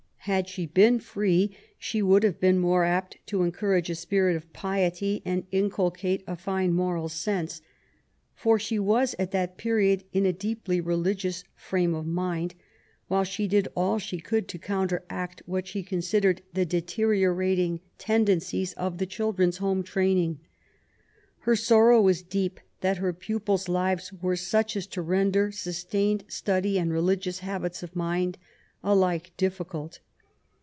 Had she been free she would have been more apt to encourage a spirit of piety^ and inculcate a fine moral sense. For she was at that period in a deeply religious frame of mind^ while she did all she could to counteract what she con sidered the deteriorating tendencies of the children's home training. Her sorrow was deep that her pupils' lives were such as to render sustained study and and religious habits of mind alike difficult.